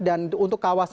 dan untuk kawasan